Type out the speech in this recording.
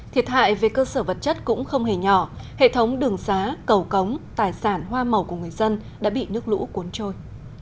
thiệt hại về cơ sở vật chất cũng không hề nhỏ hệ thống đường xá cầu cống tài sản hoa màu của người dân đã bị nước lũ cuốn trôi